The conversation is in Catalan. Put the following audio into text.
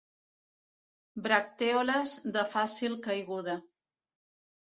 Bractèoles de fàcil caiguda.